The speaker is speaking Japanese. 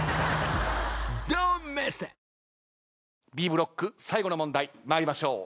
Ｂブロック最後の問題参りましょう。